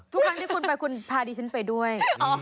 ทุกครั้งที่คุณไปคุณพาดิฉันไปด้วย